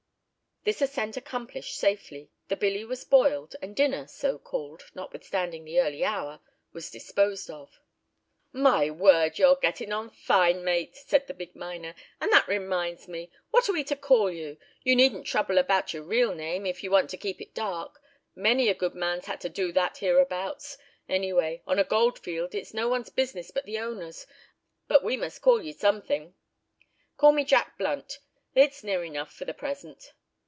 This ascent accomplished safely, the billy was boiled, and dinner, so called, notwithstanding the early hour, was disposed of. "My word! you're gettin' on fine, mate," said the big miner, "and that reminds me, what are we to call you? You needn't trouble about your real name, if you want to keep it dark. Many a good man's had to do that hereabouts. Anyway, on a goldfield it's no one's business but the owner's, but we must call you somethin'!" "Call me Jack Blunt. It's near enough for the present."